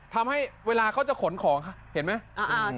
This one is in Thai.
ทำให้เวลาเขาจะขนของเห็นไหม